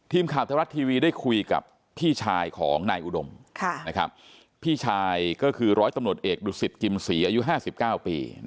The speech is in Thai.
ทีมข่าวไทยรัฐทีวีได้คุยกับพี่ชายของนายอุดมพี่ชายก็คือร้อยตำรวจเอกดุสิตกิมศรีอายุ๕๙ปี